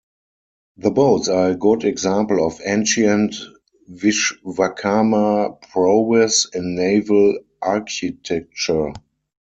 The boats are a good example of ancient Vishwakarma' prowess in naval architecture.